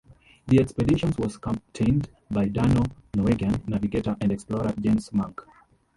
The expedition was captained by Dano-Norwegian navigator and explorer, Jens Munk.